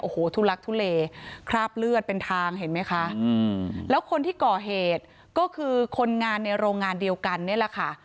โอ้โหทุลักทุเลคราบเลือดเป็นทางเห็นไหมคะแล้วคนที่ก่อเหตุก็คือคนงานในโรงงานเดียวกันนี่แหละค่ะ